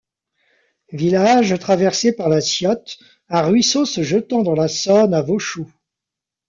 Village traversé par la Scyotte, un ruisseau se jetant dans la Saône à Vauchoux.